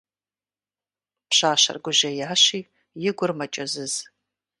Пщащэр гужьеящи, и гур мэкӀэзыз.